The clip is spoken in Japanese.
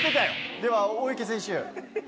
では大池選手。